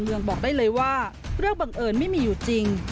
โลกประดูกระดูก